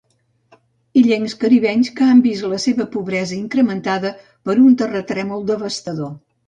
Illencs caribenys que han vist la seva pobresa incrementada per un terratrèmol devastador.